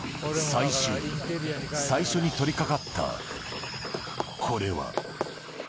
最終日、最初に取りかかったこれは。